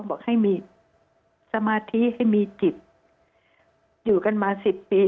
บอกให้มีสมาธิให้มีจิตอยู่กันมาสิบปี